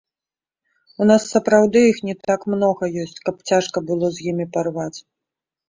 У нас сапраўды іх не так многа ёсць, каб цяжка было з імі парваць.